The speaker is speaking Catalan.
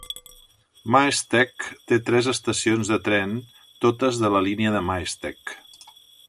Maesteg té tres estacions de tren, totes de la línia de Maesteg.